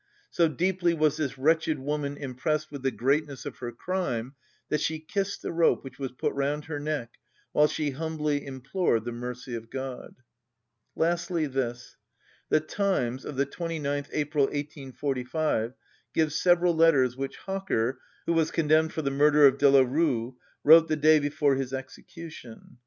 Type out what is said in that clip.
So deeply was this wretched woman impressed with the greatness of her crime that she kissed the rope which was put round her neck, while she humbly implored the mercy of God." Lastly this: the Times, of the 29th April 1845 gives several letters which Hocker, who was condemned for the murder of Delarue, wrote the day before his execution.